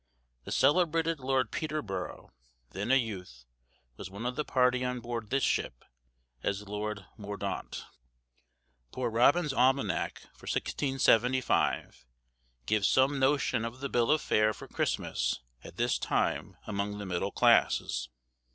The celebrated Lord Peterborough, then a youth, was one of the party on board this ship, as Lord Mordaunt. Poor Robin's almanack, for 1675, gives some notion of the bill of fare for Christmas at this time among the middle classes.